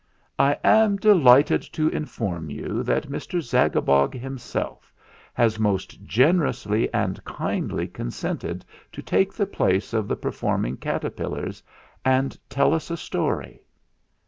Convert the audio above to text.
"I am delighted to inform you that Mr. Zag abog himself has most generously and kindly consented to take the place of the performing caterpillars and tell us a story